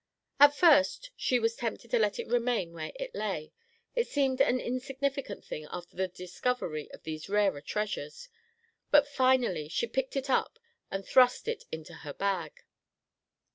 At first she was tempted to let it remain where it lay. It seemed an insignificant thing after the discovery of these rarer treasures. But finally she picked it up and thrust it into her bag.